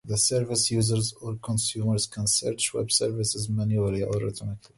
The service users or consumers can search Web Services manually or automatically.